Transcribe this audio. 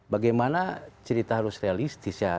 bagaimana cerita harus realistis ya